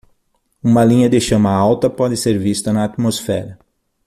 Uma linha de chama alta pode ser vista na atmosfera.